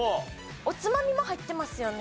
おつまみも入ってますよね？